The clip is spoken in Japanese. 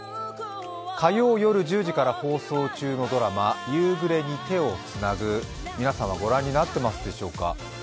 火曜夜１０時から放送中のドラマ「夕暮れに、手をつなぐ」、皆さんはご覧になっていますでしょうか。